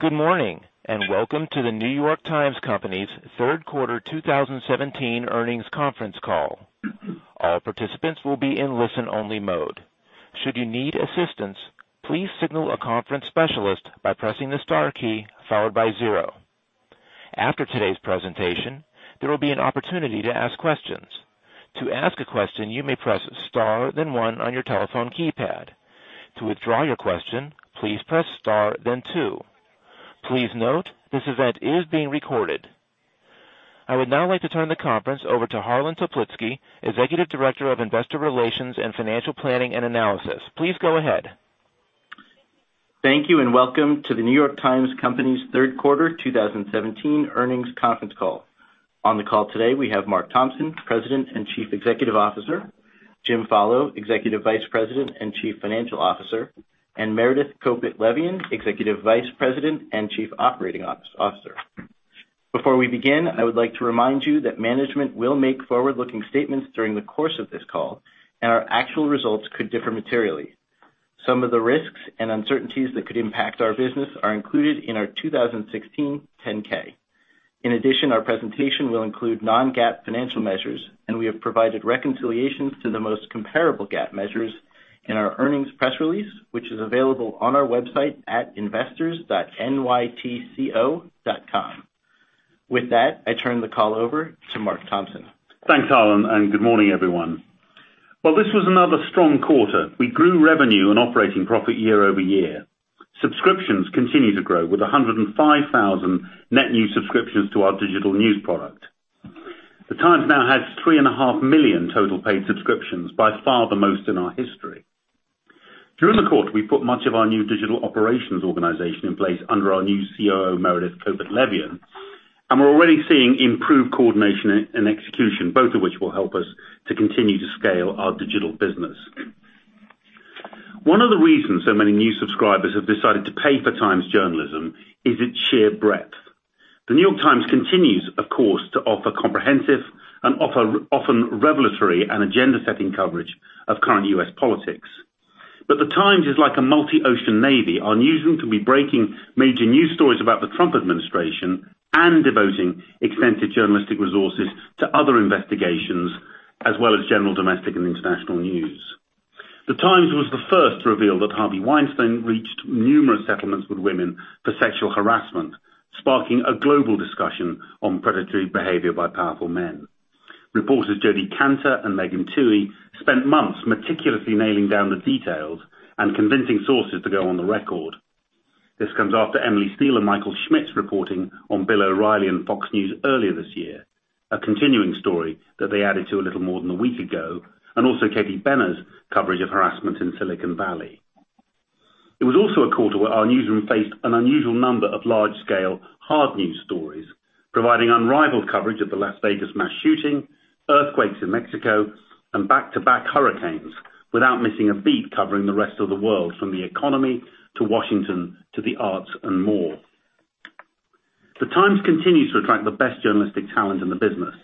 Good morning, and welcome to The New York Times Company's third quarter 2017 earnings conference call. All participants will be in listen-only mode. Should you need assistance, please signal a conference specialist by pressing the star key followed by zero. After today's presentation, there will be an opportunity to ask questions. To ask a question, you may press star then one on your telephone keypad. To withdraw your question, please press star then two. Please note, this event is being recorded. I would now like to turn the conference over to Harlan Toplitzky, Executive Director of Investor Relations and Financial Planning and Analysis. Please go ahead. Thank you, and welcome to The New York Times Company's third quarter 2017 earnings conference call. On the call today, we have Mark Thompson, President and Chief Executive Officer, Jim Follo, Executive Vice President and Chief Financial Officer, and Meredith Kopit Levien, Executive Vice President and Chief Operating Officer. Before we begin, I would like to remind you that management will make forward-looking statements during the course of this call, and our actual results could differ materially. Some of the risks and uncertainties that could impact our business are included in our 2016 10-K. In addition, our presentation will include non-GAAP financial measures, and we have provided reconciliations to the most comparable GAAP measures in our earnings press release, which is available on our website at investors.nytco.com. With that, I turn the call over to Mark Thompson. Thanks, Harlan, and good morning, everyone. Well, this was another strong quarter. We grew revenue and operating profit year-over-year. Subscriptions continue to grow with 105,000 net new subscriptions to our digital news product. The Times now has 3.5 million total paid subscriptions, by far the most in our history. During the quarter, we put much of our new digital operations organization in place under our new COO, Meredith Kopit Levien, and we're already seeing improved coordination and execution, both of which will help us to continue to scale our digital business. One of the reasons so many new subscribers have decided to pay for Times journalism is its sheer breadth. The New York Times continues, of course, to offer comprehensive and often revelatory and agenda-setting coverage of current U.S. politics. The Times is like a multi-ocean navy. Our newsroom could be breaking major news stories about the Trump administration and devoting extensive journalistic resources to other investigations, as well as general domestic and international news. The Times was the first to reveal that Harvey Weinstein reached numerous settlements with women for sexual harassment, sparking a global discussion on predatory behavior by powerful men. Reporters Jodi Kantor and Megan Twohey spent months meticulously nailing down the details and convincing sources to go on the record. This comes after Emily Steel and Michael Schmidt's reporting on Bill O'Reilly and Fox News earlier this year, a continuing story that they added to a little more than a week ago, and also Katie Benner's coverage of harassment in Silicon Valley. It was also a quarter where our newsroom faced an unusual number of large-scale hard news stories, providing unrivaled coverage of the Las Vegas mass shooting, earthquakes in Mexico, and back-to-back hurricanes, without missing a beat covering the rest of the world, from the economy to Washington to the arts and more. The Times continues to attract the best journalistic talent in the business.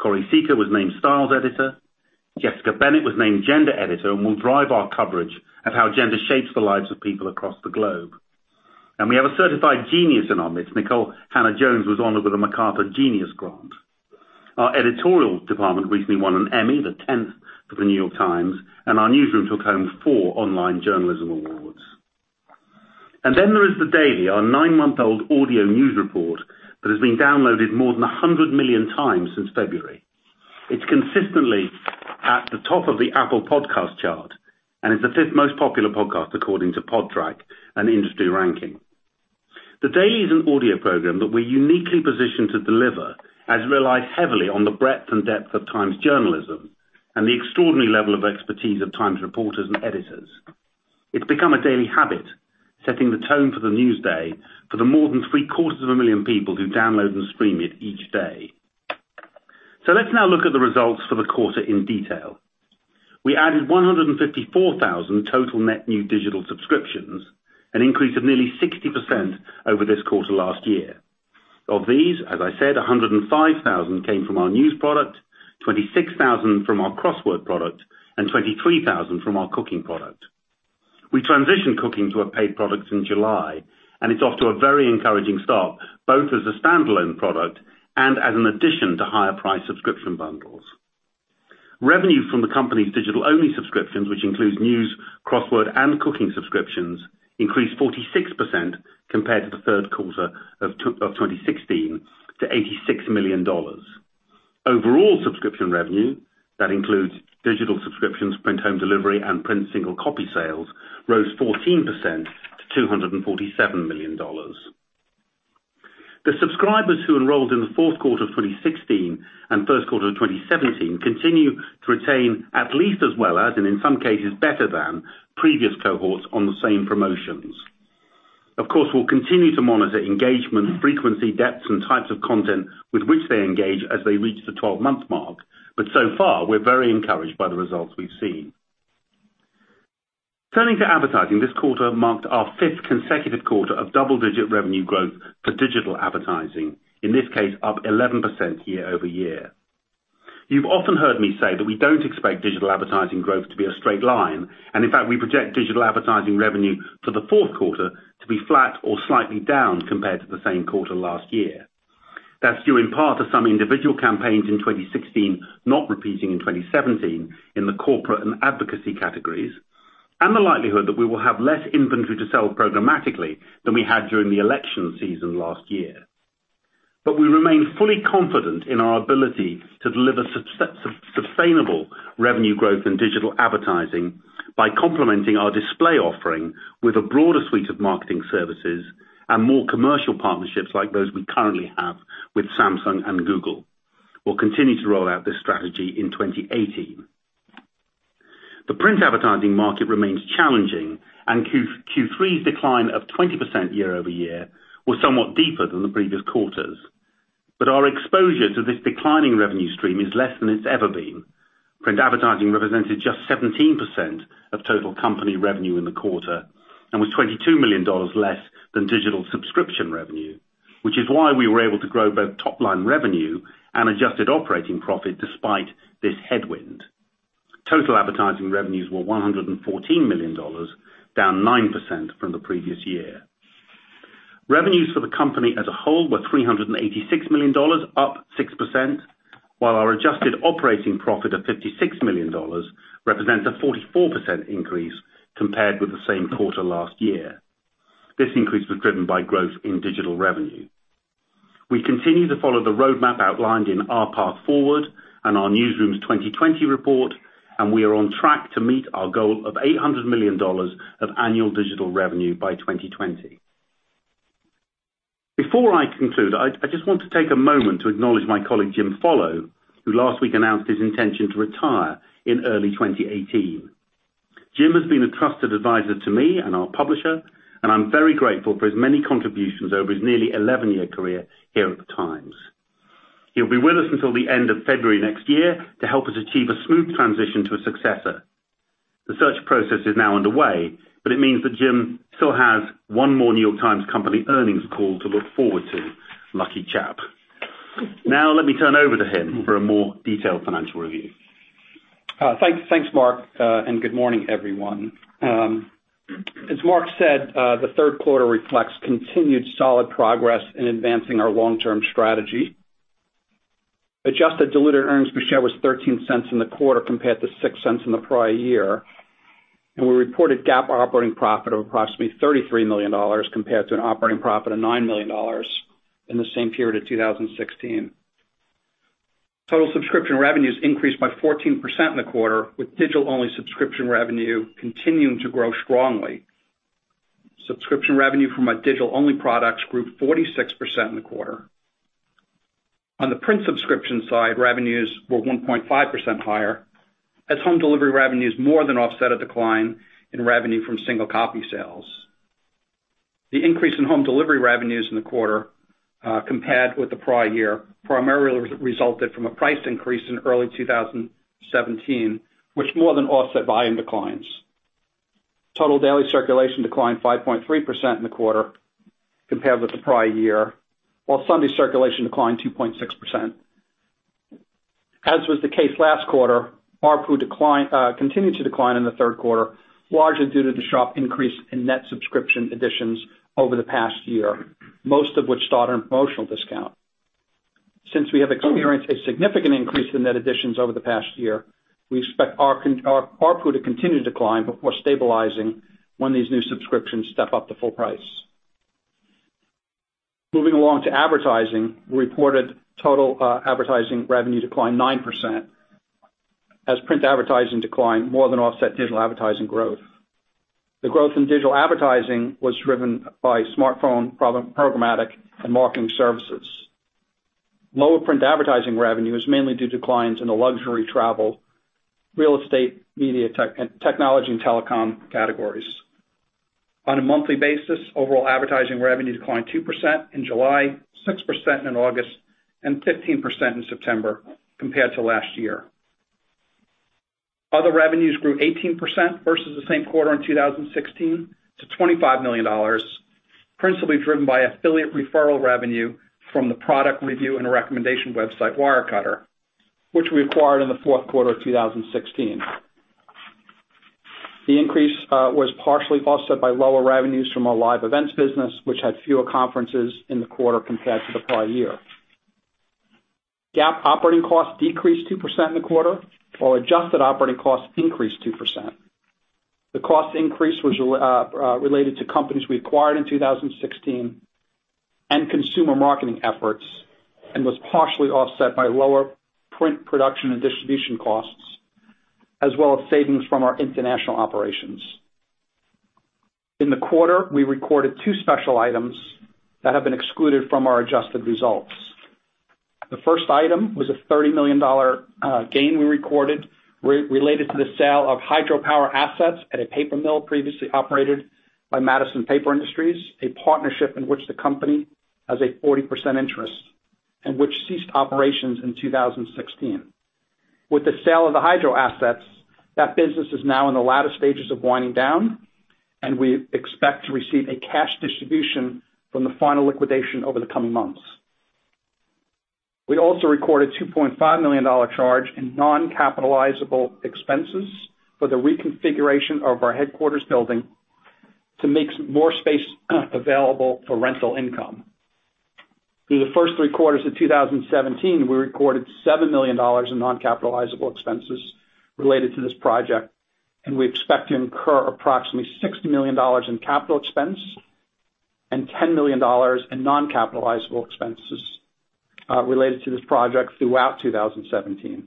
Choire Sicha was named Styles Editor. Jessica Bennett was named Gender Editor and will drive our coverage of how gender shapes the lives of people across the globe. We have a certified genius in our midst. Nikole Hannah-Jones was honored with a MacArthur Genius Grant. Our editorial department recently won an Emmy, the 10th for The New York Times, and our newsroom took home four online journalism awards. There is The Daily, our nine-month-old audio news report that has been downloaded more than 100 million times since February. It's consistently at the top of the Apple Podcasts chart and is the fifth most popular podcast, according to Podtrac, an industry ranking. The Daily is an audio program that we're uniquely positioned to deliver, as it relies heavily on the breadth and depth of Times journalism and the extraordinary level of expertise of Times reporters and editors. It's become a daily habit, setting the tone for the news day for the more than three-quarters of a million people who download and stream it each day. Let's now look at the results for the quarter in detail. We added 154,000 total net new digital subscriptions, an increase of nearly 60% over this quarter last year. Of these, as I said, 105,000 came from our news product, 26,000 from our crossword product, and 23,000 from our cooking product. We transitioned cooking to a paid product in July, and it's off to a very encouraging start, both as a standalone product and as an addition to higher-priced subscription bundles. Revenue from the company's digital-only subscriptions, which includes news, crossword, and cooking subscriptions, increased 46% compared to the third quarter of 2016 to $86 million. Overall subscription revenue, that includes digital subscriptions, print home delivery, and print single copy sales, rose 14% to $247 million. The subscribers who enrolled in the fourth quarter of 2016 and first quarter of 2017 continue to retain at least as well as, and in some cases better than, previous cohorts on the same promotions. Of course, we'll continue to monitor engagement, frequency, depths, and types of content with which they engage as they reach the 12-month mark, but so far, we're very encouraged by the results we've seen. Turning to advertising, this quarter marked our fifth consecutive quarter of double-digit revenue growth for digital advertising, in this case, up 11% year-over-year. You've often heard me say that we don't expect digital advertising growth to be a straight line, and in fact, we project digital advertising revenue for the fourth quarter to be flat or slightly down compared to the same quarter last year. That's due in part to some individual campaigns in 2016 not repeating in 2017 in the corporate and advocacy categories, and the likelihood that we will have less inventory to sell programmatically than we had during the election season last year. We remain fully confident in our ability to deliver sustainable revenue growth in digital advertising by complementing our display offering with a broader suite of marketing services and more commercial partnerships like those we currently have with Samsung and Google. We'll continue to roll out this strategy in 2018. The print advertising market remains challenging, and Q3's decline of 20% year-over-year was somewhat deeper than the previous quarters. Our exposure to this declining revenue stream is less than it's ever been. Print advertising represented just 17% of total company revenue in the quarter and was $22 million less than digital subscription revenue, which is why we were able to grow both top-line revenue and adjusted operating profit despite this headwind. Total advertising revenues were $114 million, down 9% from the previous year. Revenues for the company as a whole were $386 million, up 6%, while our adjusted operating profit of $56 million represents a 44% increase compared with the same quarter last year. This increase was driven by growth in digital revenue. We continue to follow the roadmap outlined in Our Path Forward and our Newsroom 2020 report, and we are on track to meet our goal of $800 million of annual digital revenue by 2020. Before I conclude, I just want to take a moment to acknowledge my colleague, Jim Follo, who last week announced his intention to retire in early 2018. Jim has been a trusted advisor to me and our publisher, and I'm very grateful for his many contributions over his nearly 11-year career here at The Times. He'll be with us until the end of February next year to help us achieve a smooth transition to a successor. The search process is now underway, but it means that Jim still has one more New York Times Company earnings call to look forward to. Lucky chap. Now let me turn over to him for a more detailed financial review. Thanks, Mark, and good morning, everyone. As Mark said, the third quarter reflects continued solid progress in advancing our long-term strategy. Adjusted diluted earnings per share was $0.13 in the quarter compared to $0.06 in the prior year, and we reported GAAP operating profit of approximately $33 million compared to an operating profit of $9 million in the same period of 2016. Total subscription revenues increased by 14% in the quarter, with digital-only subscription revenue continuing to grow strongly. Subscription revenue from our digital-only products grew 46% in the quarter. On the print subscription side, revenues were 1.5% higher as home delivery revenues more than offset a decline in revenue from single copy sales. The increase in home delivery revenues in the quarter compared with the prior year primarily resulted from a price increase in early 2017, which more than offset volume declines. Total daily circulation declined 5.3% in the quarter compared with the prior year, while Sunday circulation declined 2.6%. As was the case last quarter, ARPU continued to decline in the third quarter, largely due to the sharp increase in net subscription additions over the past year, most of which start on a promotional discount. Since we have experienced a significant increase in net additions over the past year, we expect ARPU to continue to decline before stabilizing when these new subscriptions step up to full price. Moving along to advertising, we reported total advertising revenue declined 9%, as print advertising declined more than offset digital advertising growth. The growth in digital advertising was driven by smartphone, programmatic, and marketing services. Lower print advertising revenue is mainly due to declines in the luxury travel, real estate, media, technology, and telecom categories. On a monthly basis, overall advertising revenue declined 2% in July, 6% in August, and 15% in September compared to last year. Other revenues grew 18% versus the same quarter in 2016 to $25 million, principally driven by affiliate referral revenue from the product review and recommendation website Wirecutter, which we acquired in the fourth quarter of 2016. The increase was partially offset by lower revenues from our live events business, which had fewer conferences in the quarter compared to the prior year. GAAP operating costs decreased 2% in the quarter, while adjusted operating costs increased 2%. The cost increase was related to companies we acquired in 2016 and consumer marketing efforts and was partially offset by lower print production and distribution costs, as well as savings from our international operations. In the quarter, we recorded two special items that have been excluded from our adjusted results The first item was a $30 million gain we recorded related to the sale of hydropower assets at a paper mill previously operated by Madison Paper Industries, a partnership in which the company has a 40% interest and which ceased operations in 2016. With the sale of the hydro assets, that business is now in the latter stages of winding down. We expect to receive a cash distribution from the final liquidation over the coming months. We also recorded a $2.5 million charge in non-capitalizable expenses for the reconfiguration of our headquarters building to make more space available for rental income. Through the first three quarters of 2017, we recorded $7 million in non-capitalizable expenses related to this project, and we expect to incur approximately $60 million in capital expense and $10 million in non-capitalizable expenses related to this project throughout 2017.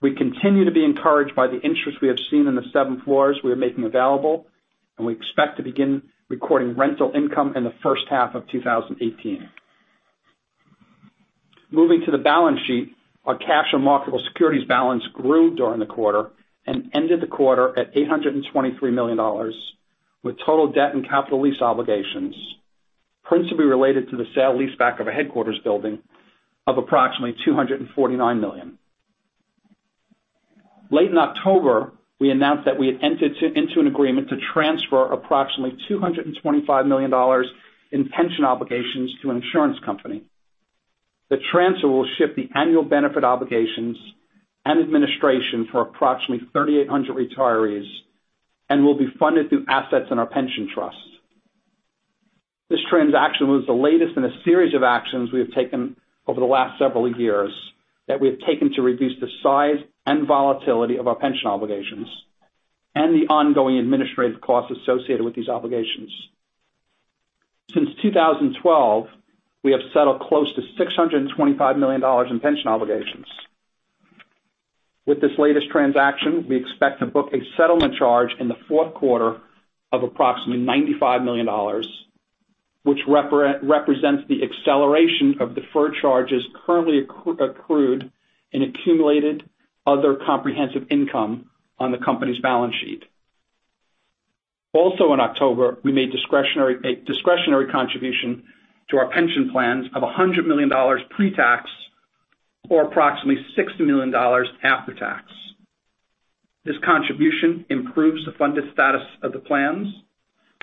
We continue to be encouraged by the interest we have seen in the seven floors we are making available, and we expect to begin recording rental income in the first half of 2018. Moving to the balance sheet, our cash and marketable securities balance grew during the quarter and ended the quarter at $823 million, with total debt and capital lease obligations, principally related to the sale-leaseback of a headquarters building of approximately $249 million. Late in October, we announced that we had entered into an agreement to transfer approximately $225 million in pension obligations to an insurance company. The transfer will shift the annual benefit obligations and administration for approximately 3,800 retirees and will be funded through assets in our pension trust. This transaction was the latest in a series of actions we have taken over the last several years to reduce the size and volatility of our pension obligations and the ongoing administrative costs associated with these obligations. Since 2012, we have settled close to $625 million in pension obligations. With this latest transaction, we expect to book a settlement charge in the fourth quarter of approximately $95 million, which represents the acceleration of deferred charges currently accrued in accumulated other comprehensive income on the company's balance sheet. Also in October, we made a discretionary contribution to our pension plans of $100 million pre-tax or approximately $60 million after tax. This contribution improves the funded status of the plans,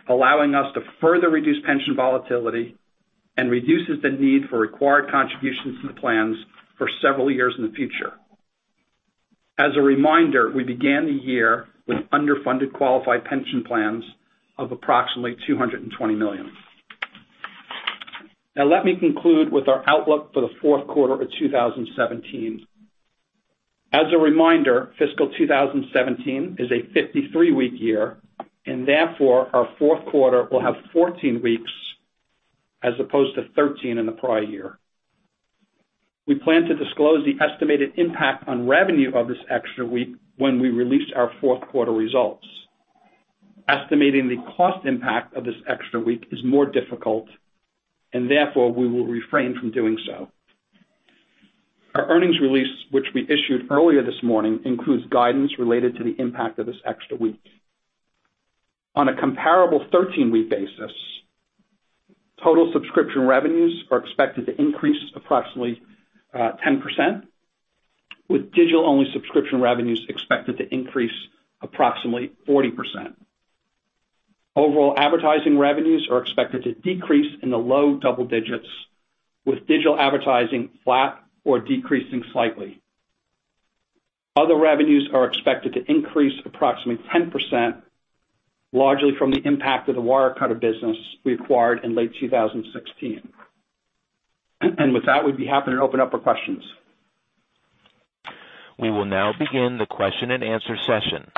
allowing us to further reduce pension volatility and reduces the need for required contributions to the plans for several years in the future. As a reminder, we began the year with underfunded qualified pension plans of approximately $220 million. Now, let me conclude with our outlook for the fourth quarter of 2017. As a reminder, fiscal 2017 is a 53-week year, and therefore our fourth quarter will have 14 weeks as opposed to 13 in the prior year. We plan to disclose the estimated impact on revenue of this extra week, when we release our fourth quarter results. Estimating the cost impact of this extra week is more difficult and therefore we will refrain from doing so. Our earnings release, which we issued earlier this morning, includes guidance related to the impact of this extra week. On a comparable 13-week basis, total subscription revenues are expected to increase approximately 10%, with digital-only subscription revenues expected to increase approximately 40%. Overall advertising revenues are expected to decrease in the low double-digits, with digital advertising flat or decreasing slightly. Other revenues are expected to increase approximately 10%, largely from the impact of the Wirecutter business we acquired in late 2016. With that, we'd be happy to open up for questions. We will now begin the question-and-answer session.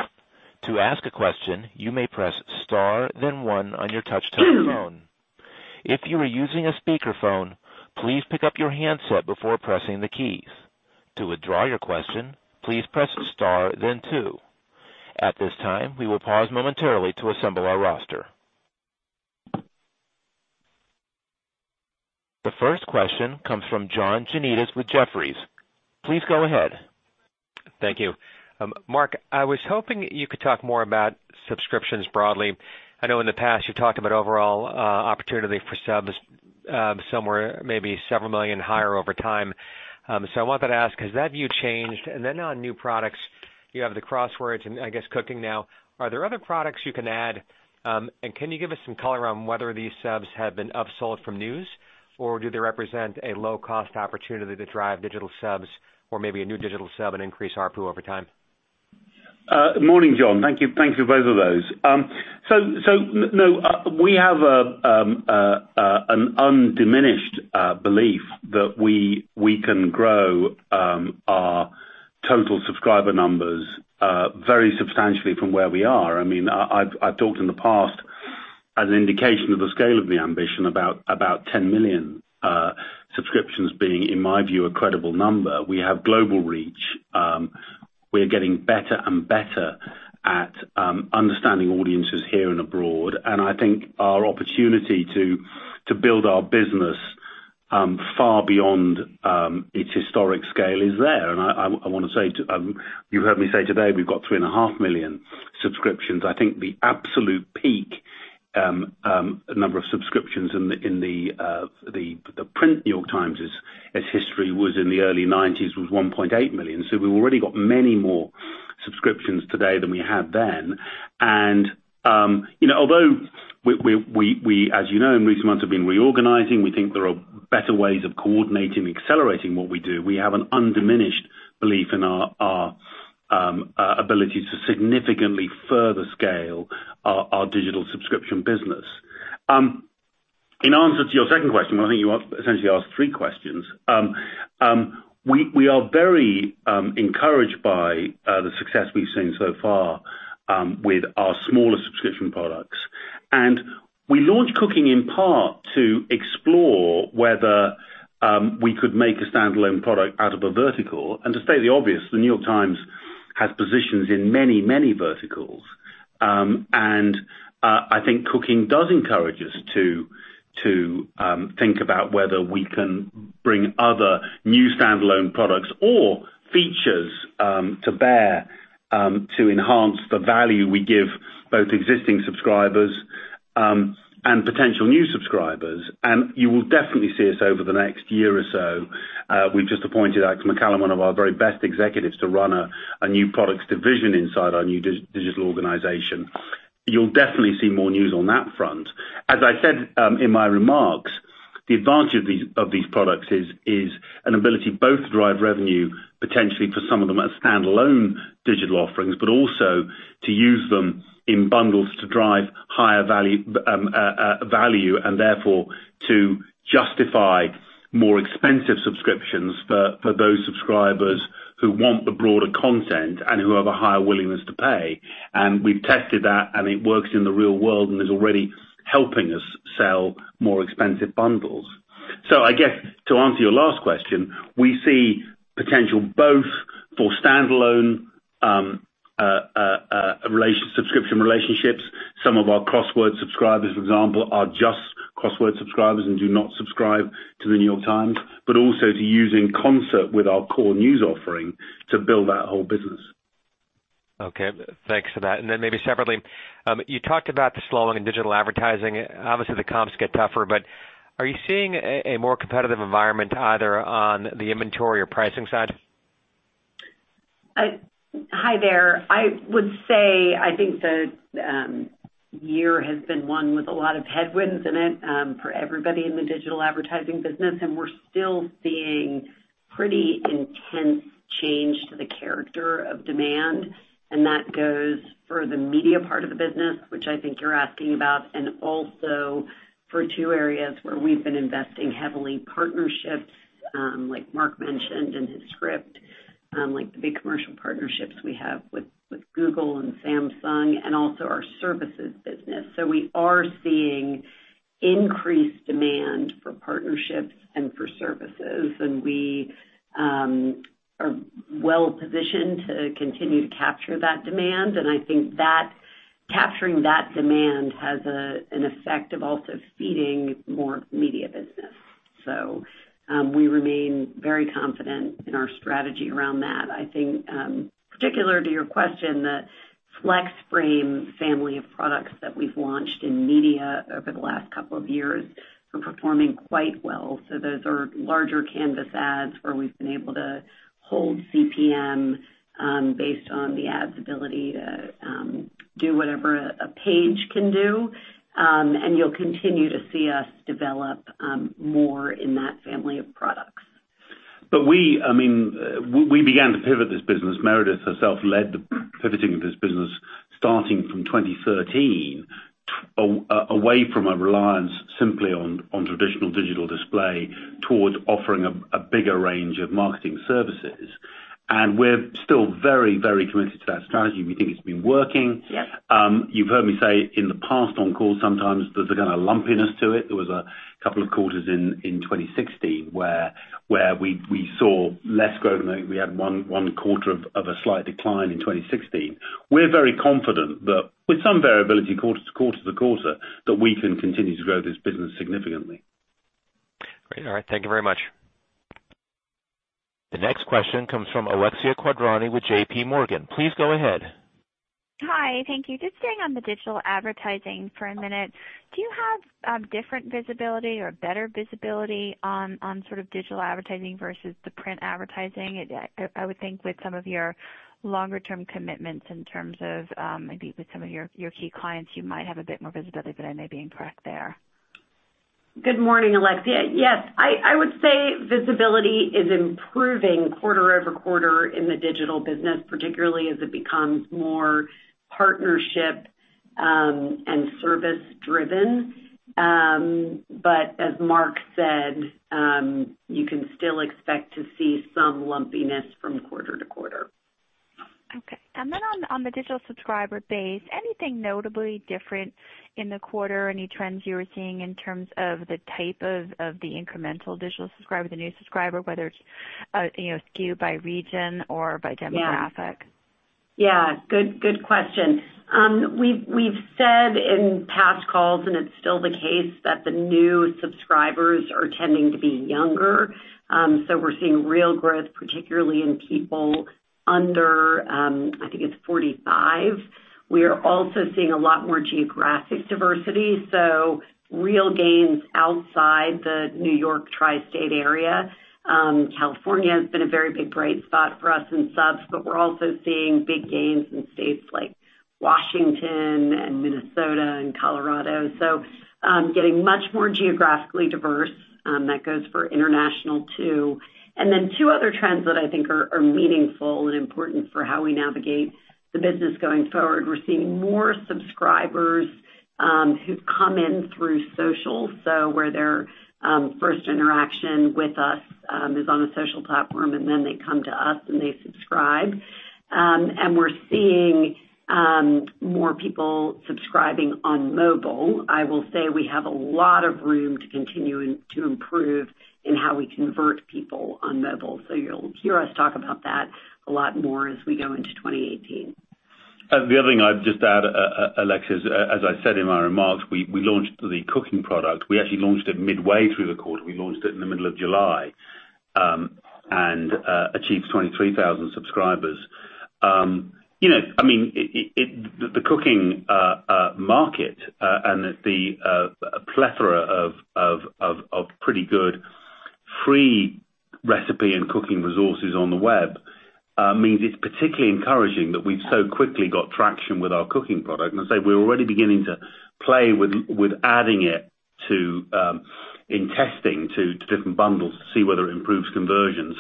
To ask a question, you may press star then one on your touch-tone phone. If you are using a speakerphone, please pick up your handset before pressing the keys. To withdraw your question, please press star then two. At this time, we will pause momentarily to assemble our roster. The first question comes from John Janedis with Jefferies. Please go ahead. Thank you. Mark, I was hoping you could talk more about subscriptions broadly. I know in the past you talked about overall opportunity for subs somewhere maybe several million higher over time. I wanted to ask, has that view changed? Then on new products, you have the crosswords and I guess cooking now, are there other products you can add? Can you give us some color around whether these subs have been upsold from news, or do they represent a low-cost opportunity to drive digital subs or maybe a new digital sub and increase ARPU over time? Morning, John. Thank you. Thank you for both of those. No, we have an undiminished belief that we can grow our total subscriber numbers very substantially from where we are. I've talked in the past as an indication of the scale of the ambition about 10 million subscriptions being, in my view, a credible number. We have global reach. We're getting better and better at understanding audiences here and abroad. I think our opportunity to build our business far beyond its historic scale is there. I want to say, you heard me say today we've got 3.5 million subscriptions. I think the absolute peak The number of subscriptions in the print New York Times's history was, in the early 1990s, 1.8 million. We've already got many more subscriptions today than we had then. Although, as you know, in recent months we've been reorganizing, we think there are better ways of coordinating and accelerating what we do. We have an undiminished belief in our ability to significantly further scale our digital subscription business. In answer to your second question, I think you essentially asked three questions. We are very encouraged by the success we've seen so far with our smaller subscription products. We launched Cooking in part to explore whether we could make a standalone product out of a vertical. To state the obvious, the New York Times has positions in many, many verticals. I think Cooking does encourage us to think about whether we can bring other new standalone products or features to bear to enhance the value we give both existing subscribers and potential new subscribers. You will definitely see us over the next year or so. We've just appointed Alex MacCallum, one of our very best executives, to run a new products division inside our new digital organization. You'll definitely see more news on that front. As I said in my remarks, the advantage of these products is an ability both to drive revenue, potentially for some of them as standalone digital offerings, but also to use them in bundles to drive higher value, and therefore to justify more expensive subscriptions for those subscribers who want the broader content and who have a higher willingness to pay. We've tested that, and it works in the real world and is already helping us sell more expensive bundles. I guess to answer your last question, we see potential both for standalone subscription relationships. Some of our crossword subscribers, for example, are just crossword subscribers and do not subscribe to The New York Times, but also to use in concert with our core news offering to build that whole business. Okay, thanks for that. Maybe separately, you talked about the slowing in digital advertising. Obviously, the comps get tougher, but are you seeing a more competitive environment either on the inventory or pricing side? Hi there. I would say, I think the year has been one with a lot of headwinds in it for everybody in the digital advertising business, and we're still seeing pretty intense change to the character of demand. That goes for the media part of the business, which I think you're asking about, and also for two areas where we've been investing heavily, partnerships, like Mark mentioned in his script, like the big commercial partnerships we have with Google and Samsung and also our services business. We are seeing increased demand for partnerships and for services, and we are well-positioned to continue to capture that demand. I think capturing that demand has an effect of also feeding more media business. We remain very confident in our strategy around that. I think, particular to your question, the Flex Frame family of products that we've launched in media over the last couple of years are performing quite well. Those are larger canvas ads where we've been able to hold CPM based on the ad's ability to do whatever a page can do. You'll continue to see us develop more in that family of products. We began to pivot this business. Meredith herself led the pivoting of this business starting from 2013, away from a reliance simply on traditional digital display towards offering a bigger range of marketing services. We're still very, very committed to that strategy. We think it's been working. Yes. You've heard me say in the past on calls sometimes there's a kind of lumpiness to it. There was a couple of quarters in 2016 where we saw less growth. I think we had one quarter of a slight decline in 2016. We're very confident that with some variability quarter to quarter to quarter, that we can continue to grow this business significantly. Great. All right, thank you very much. The next question comes from Alexia Quadrani with JPMorgan. Please go ahead. Hi. Thank you. Just staying on the digital advertising for a minute, do you have different visibility or better visibility on sort of digital advertising versus the print advertising? I would think with some of your longer-term commitments in terms of maybe with some of your key clients, you might have a bit more visibility, but I may be incorrect there. Good morning, Alexia. Yes, I would say visibility is improving quarter-over-quarter in the digital business, particularly as it becomes more partnership and service driven. As Mark said, you can still expect to see some lumpiness from quarter-to-quarter. Okay. On the digital subscriber base, anything notably different in the quarter? Any trends you were seeing in terms of the type of the incremental digital subscriber, the new subscriber, whether it's skewed by region or by demographic? Yeah. Good question. We've said in past calls, and it's still the case that the new subscribers are tending to be younger. We're seeing real growth, particularly in people under 45. We are also seeing a lot more geographic diversity, so real gains outside the New York tri-state area. California has been a very big bright spot for us in subs, but we're also seeing big gains in states like Washington and Minnesota and Colorado, getting much more geographically diverse. That goes for international too. Two other trends that I think are meaningful and important for how we navigate the business going forward. We're seeing more subscribers, who've come in through social, so where their first interaction with us is on a social platform, and then they come to us, and they subscribe. We're seeing more people subscribing on mobile. I will say we have a lot of room to continue to improve in how we convert people on mobile. You'll hear us talk about that a lot more as we go into 2018. The other thing I'd just add, Alexia, as I said in my remarks, we launched the Cooking product. We actually launched it midway through the quarter. We launched it in the middle of July, and achieved 23,000 subscribers. The Cooking market, and the plethora of pretty good free recipe and cooking resources on the web, means it's particularly encouraging that we've so quickly got traction with our Cooking product. I'd say we're already beginning to play with adding it in testing, to different bundles to see whether it improves conversion.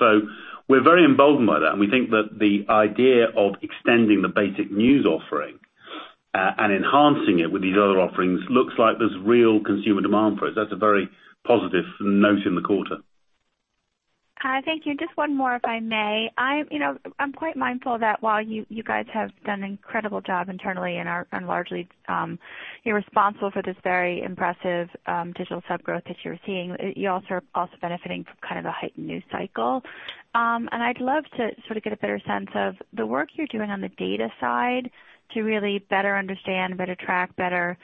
We're very emboldened by that, and we think that the idea of extending the basic news offering, and enhancing it with these other offerings looks like there's real consumer demand for it. That's a very positive note in the quarter. Hi, thank you. Just one more, if I may. I'm quite mindful that while you guys have done an incredible job internally and are largely responsible for this very impressive digital sub growth that you're seeing, you're also benefiting from kind of the heightened news cycle. I'd love to sort of get a better sense of the work you're doing on the data side to really better understand, better track, better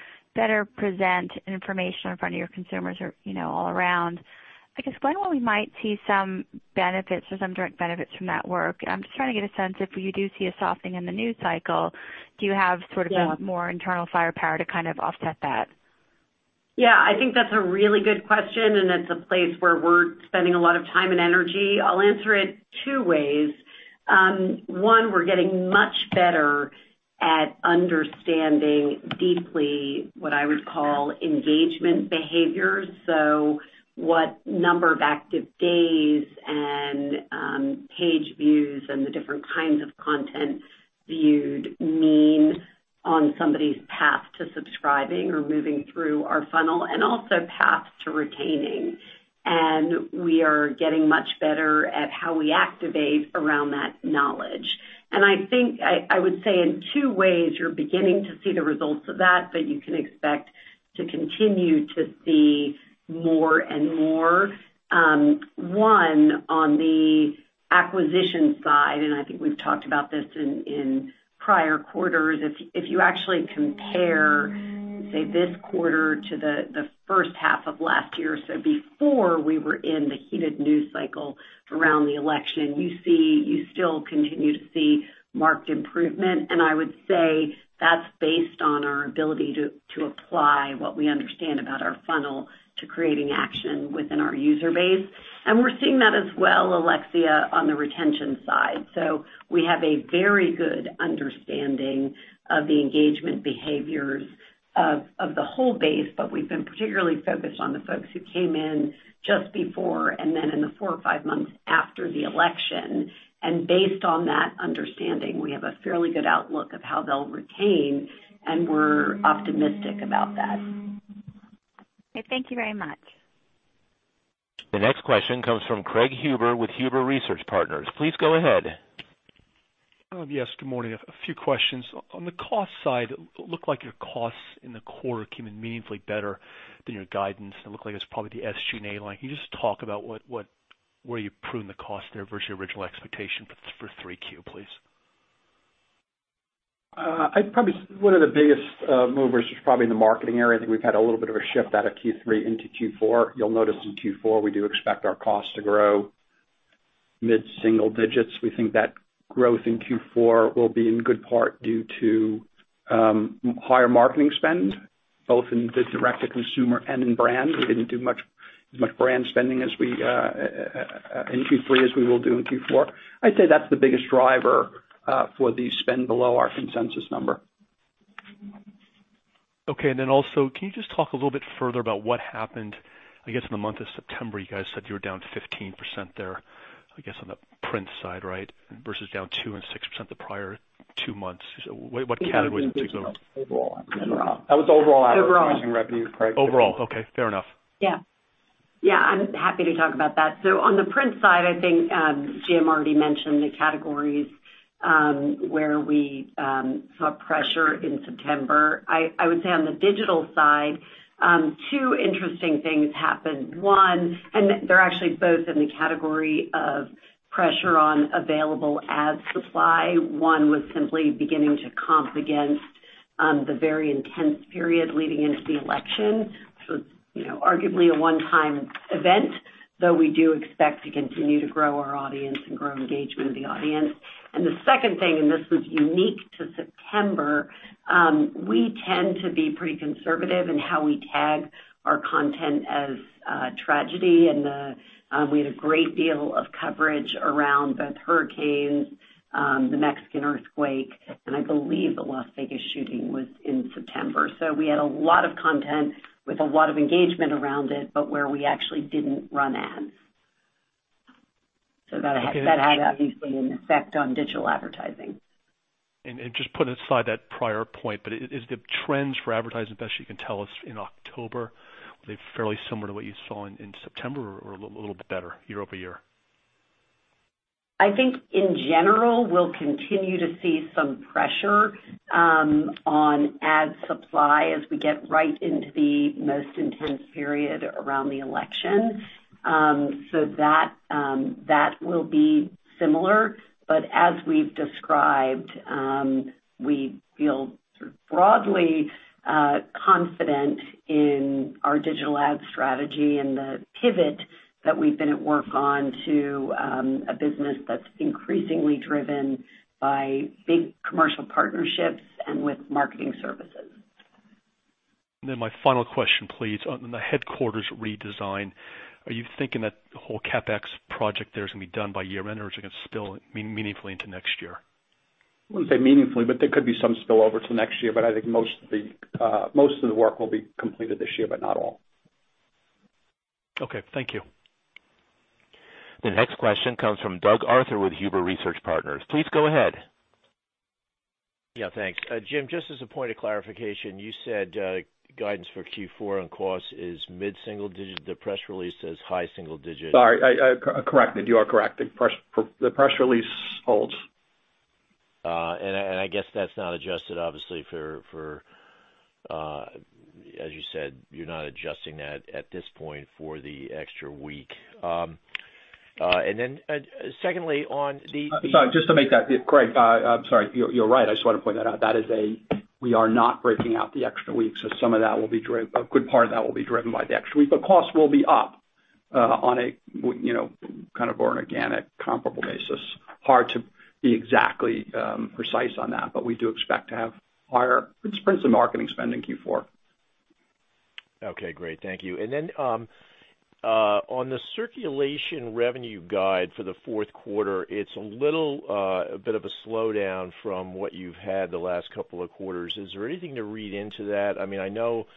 present information in front of your consumers all around. I guess, when might we see some benefits or some direct benefits from that work? I'm just trying to get a sense if you do see a softening in the news cycle, do you have sort of a more internal firepower to kind of offset that? Yeah, I think that's a really good question, and it's a place where we're spending a lot of time and energy. I'll answer it two ways. One, we're getting much better at understanding deeply what I would call engagement behaviors. So what number of active days and page views and the different kinds of content viewed mean on somebody's path to subscribing or moving through our funnel, and also paths to retaining. We are getting much better at how we activate around that knowledge. I think I would say in two ways, you're beginning to see the results of that, but you can expect to continue to see more and more. One, on the acquisition side, and I think we've talked about this in prior quarters. If you actually compare, say, this quarter to the first half of last year, so before we were in the heated news cycle around the election, you still continue to see marked improvement. I would say that's based on our ability to apply what we understand about our funnel to creating action within our user base. We're seeing that as well, Alexia, on the retention side. We have a very good understanding of the engagement behaviors of the whole base, but we've been particularly focused on the folks who came in just before and then in the four or five months after the election. Based on that understanding, we have a fairly good outlook of how they'll retain, and we're optimistic about that. Thank you very much. The next question comes from Craig Huber with Huber Research Partners. Please go ahead. Yes, good morning. A few questions. On the cost side, looked like your costs in the quarter came in meaningfully better than your guidance. It looked like it was probably the SG&A line. Can you just talk about where you pruned the cost there versus your original expectation for Q3, please? One of the biggest movers was probably in the marketing area. I think we've had a little bit of a shift out of Q3 into Q4. You'll notice in Q4, we do expect our costs to grow mid-single-digits. We think that growth in Q4 will be in good part due to higher marketing spend, both in the direct-to-consumer and in brand. We didn't do as much brand spending in Q3 as we will do in Q4. I'd say that's the biggest driver for the spend below our consensus number. Okay, can you just talk a little bit further about what happened, I guess, in the month of September? You guys said you were down 15% there, I guess, on the print side, right? Versus down 2% and 6% the prior two months. What categories in particular? That was overall advertising revenue, Craig. Overall. Okay, fair enough. Yeah. Yeah. I'm happy to talk about that. On the print side, I think Jim already mentioned the categories, where we saw pressure in September. I would say on the digital side, two interesting things happened. They're actually both in the category of pressure on available ad supply. One was simply beginning comp against the very intense period leading into the election. Arguably a one-time event, though we do expect to continue to grow our audience and grow engagement with the audience. The second thing, and this was unique to September, we tend to be pretty conservative in how we tag our content as tragedy. We had a great deal of coverage around both hurricanes, the Mexican earthquake, and I believe the Las Vegas shooting was in September. We had a lot of content with a lot of engagement around it, but where we actually didn't run ads. That had obviously an effect on digital advertising. Just putting aside that prior point, but is the trends for advertising, best you can tell us in October, were they fairly similar to what you saw in September or a little bit better year-over-year? I think in general, we'll continue to see some pressure on ad supply as we get right into the most intense period around the election. That will be similar. As we've described, we feel sort of broadly confident in our digital ad strategy and the pivot that we've been at work on to a business that's increasingly driven by big commercial partnerships and with marketing services. My final question, please. On the headquarters redesign, are you thinking that the whole CapEx project there is going to be done by year-end, or is it going to spill meaningfully into next year? I wouldn't say meaningfully, but there could be some spill over to next year, but I think most of the work will be completed this year, but not all. Okay, thank you. The next question comes from Doug Arthur with Huber Research Partners. Please go ahead. Yeah, thanks. Jim, just as a point of clarification, you said guidance for Q4 on costs is mid-single-digit. The press release says high single-digit. Sorry, corrected. You are correct. The press release holds. I guess that's not adjusted obviously for, as you said, you're not adjusting that at this point for the extra week. Secondly, on the- Sorry, just to make that correct. I'm sorry. You're right. I just want to point that out. We are not breaking out the extra week, so a good part of that will be driven by the extra week, but cost will be up on a kind of organic comparable basis. Hard to be exactly precise on that, but we do expect to have higher prints and marketing spend in Q4. Okay, great. Thank you. On the circulation revenue guide for the fourth quarter, it's a little bit of a slowdown from what you've had the last couple of quarters. Is there anything to read into that? I know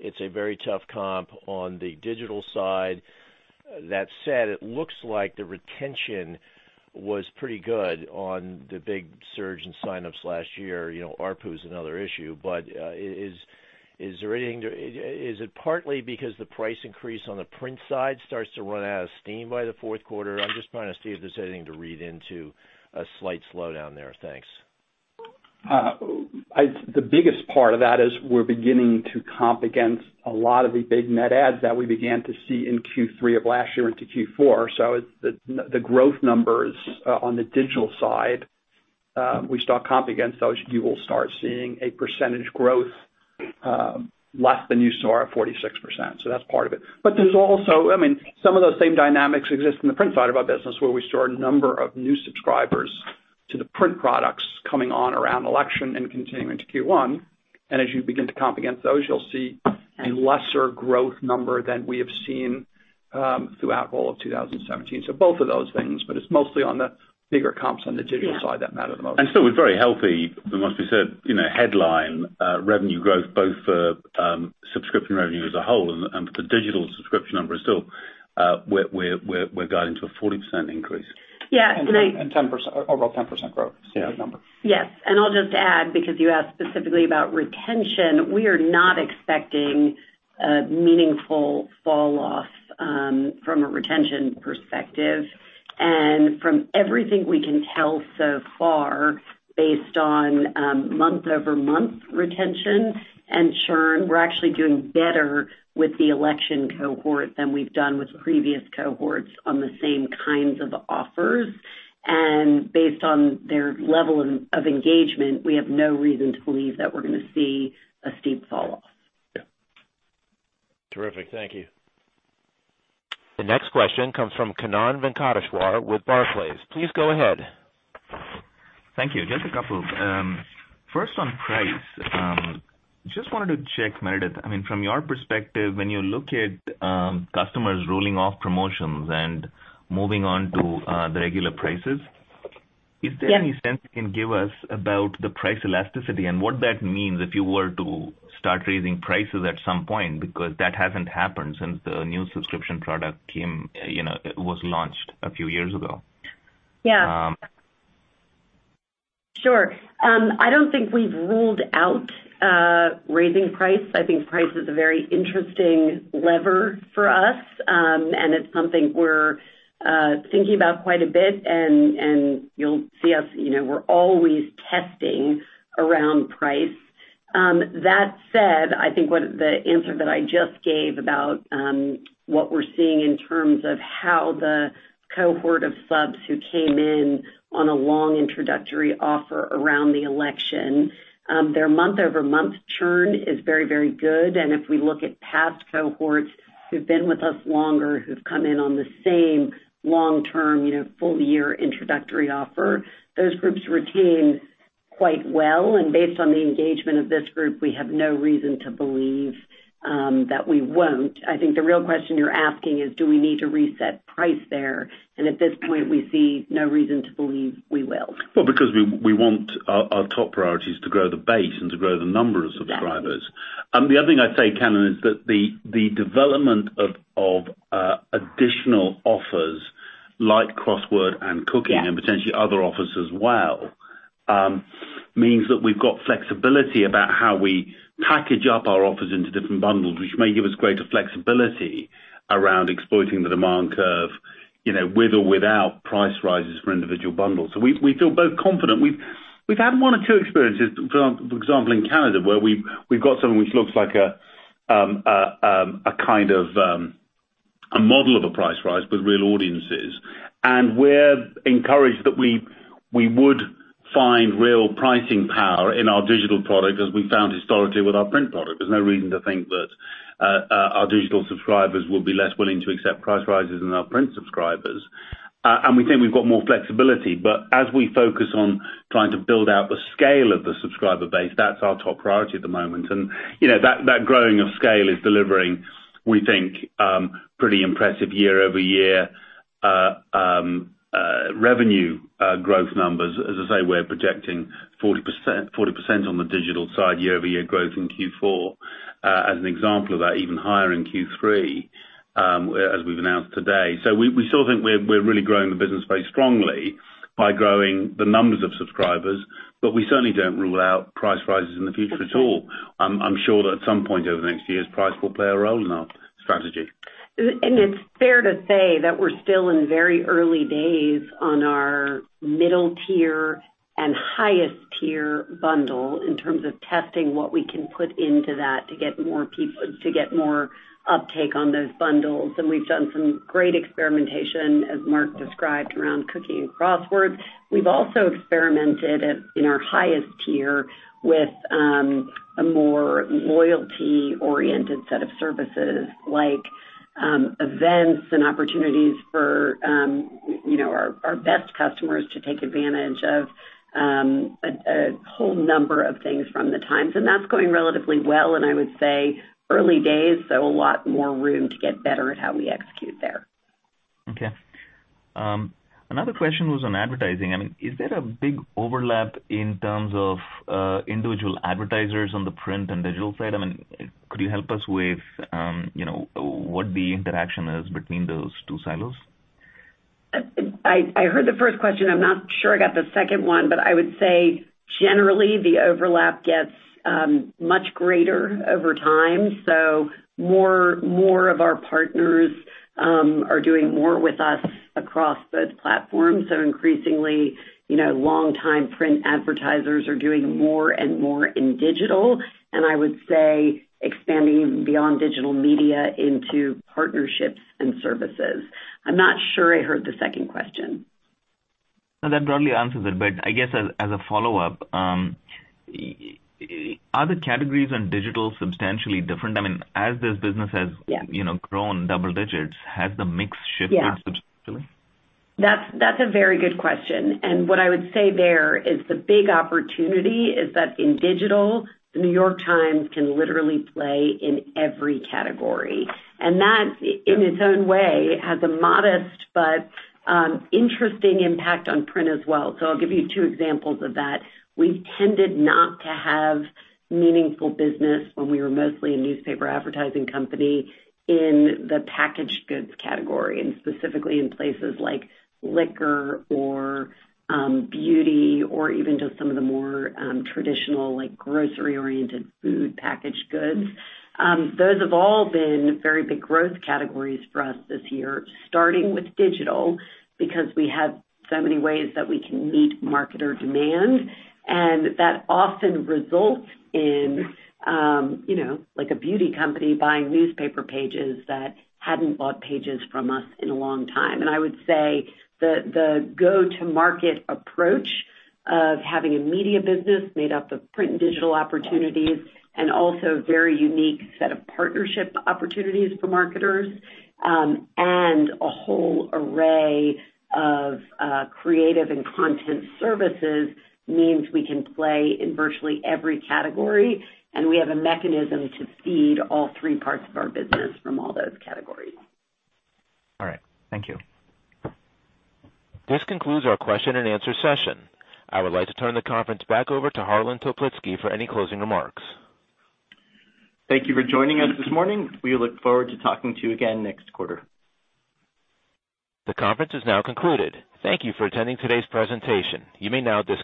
it's a very tough comp on the digital side. That said, it looks like the retention was pretty good on the big surge in sign-ups last year. ARPU is another issue. Is it partly because the price increase on the print side starts to run out of steam by the fourth quarter? I'm just trying to see if there's anything to read into a slight slowdown there. Thanks. The biggest part of that is we're beginning to comp against a lot of the big net adds that we began to see in Q3 of last year into Q4. The growth numbers on the digital side, we start comping against those, you will start seeing a percentage growth less than you saw at 46%. That's part of it. There's also some of those same dynamics exist in the print side of our business, where we saw a number of new subscribers to the print products coming on around election and continuing to Q1. As you begin to comp against those, you'll see a lesser growth number than we have seen throughout all of 2017. Both of those things, but it's mostly on the bigger comps on the digital side that matter the most. Still with very healthy, it must be said, headline revenue growth, both for subscription revenue as a whole and for the digital subscription number is still, we're guiding to a 40% increase. Yeah. Can I Overall 10% growth is the number. Yes. I'll just add, because you asked specifically about retention, we are not expecting a meaningful fall off from a retention perspective. From everything we can tell so far, based on month-over-month retention and churn, we're actually doing better with the election cohort than we've done with previous cohorts on the same kinds of offers. Based on their level of engagement, we have no reason to believe that we're going to see a steep fall off. Yeah. Terrific. Thank you. The next question comes from Kannan Venkateshwar with Barclays. Please go ahead. Thank you. Just a couple. First on price, just wanted to check, Meredith, from your perspective, when you look at customers rolling off promotions and moving on to the regular prices. Is there any sense you can give us about the price elasticity and what that means if you were to start raising prices at some point? Because that hasn't happened since the new subscription product was launched a few years ago. Yeah. Sure. I don't think we've ruled out raising price. I think price is a very interesting lever for us, and it's something we're thinking about quite a bit, and you'll see us, we're always testing around price. That said, I think the answer that I just gave about what we're seeing in terms of how the cohort of subs who came in on a long introductory offer around the election, their month-over-month churn is very, very good. If we look at past cohorts who've been with us longer, who've come in on the same long-term full year introductory offer, those groups retain quite well. Based on the engagement of this group, we have no reason to believe that we won't. I think the real question you're asking is, do we need to reset price there? At this point, we see no reason to believe we will. Well, because we want our top priority is to grow the base and to grow the number of subscribers. Yes. The other thing I'd say, Kannan, is that the development of additional offers like Crossword and Cooking- Yes... and potentially other offers as well, means that we've got flexibility about how we package up our offers into different bundles, which may give us greater flexibility around exploiting the demand curve, with or without price rises for individual bundles. We feel both confident. We've had one or two experiences, for example, in Canada, where we've got something which looks like a model of a price rise but real audiences. We're encouraged that we would find real pricing power in our digital product, as we found historically with our print product. There's no reason to think that our digital subscribers will be less willing to accept price rises than our print subscribers. We think we've got more flexibility. As we focus on trying to build out the scale of the subscriber base, that's our top priority at the moment. That growing of scale is delivering, we think, pretty impressive year-over-year revenue growth numbers. As I say, we're projecting 40% on the digital side year-over-year growth in Q4 as an example of that, even higher in Q3, as we've announced today. We still think we're really growing the business very strongly by growing the numbers of subscribers, but we certainly don't rule out price rises in the future at all. I'm sure that at some point over the next years, price will play a role in our strategy. It's fair to say that we're still in very early days on our middle tier and highest tier bundle in terms of testing what we can put into that to get more uptake on those bundles. We've done some great experimentation, as Mark described, around Cooking and Crosswords. We've also experimented in our highest tier with a more loyalty-oriented set of services, like events and opportunities for our best customers to take advantage of a whole number of things from The Times. That's going relatively well, and I would say early days, so a lot more room to get better at how we execute there. Okay. Another question was on advertising. Is there a big overlap in terms of individual advertisers on the print and digital side? Could you help us with what the interaction is between those two silos? I heard the first question. I'm not sure I got the second one, but I would say generally, the overlap gets much greater over time. More of our partners are doing more with us across both platforms. Increasingly, long-time print advertisers are doing more and more in digital, and I would say expanding even beyond digital media into partnerships and services. I'm not sure I heard the second question. No, that broadly answers it. I guess as a follow-up, are the categories on digital substantially different? As this business has- Yeah ...grown double-digits, has the mix shifted- Yeah substantially? That's a very good question. What I would say there is the big opportunity is that in digital, "The New York Times" can literally play in every category. That, in its own way, has a modest but interesting impact on print as well. I'll give you two examples of that. We tended not to have meaningful business when we were mostly a newspaper advertising company in the packaged goods category, and specifically in places like liquor or beauty or even just some of the more traditional grocery-oriented food packaged goods. Those have all been very big growth categories for us this year, starting with digital, because we have so many ways that we can meet marketer demand. That often results in a beauty company buying newspaper pages that hadn't bought pages from us in a long time. I would say the go-to-market approach of having a media business made up of print and digital opportunities and also a very unique set of partnership opportunities for marketers, and a whole array of creative and content services means we can play in virtually every category, and we have a mechanism to feed all three parts of our business from all those categories. All right. Thank you. This concludes our question-and-answer session. I would like to turn the conference back over to Harlan Toplitzky for any closing remarks. Thank you for joining us this morning. We look forward to talking to you again next quarter. The conference is now concluded. Thank you for attending today's presentation. You may now disconnect.